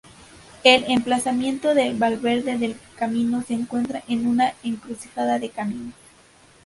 El emplazamiento de Valverde del Camino se encuentra en una encrucijada de caminos.